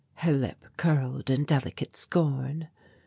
Her lip curled in delicate scorn.